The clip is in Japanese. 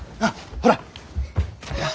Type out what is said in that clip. ほら！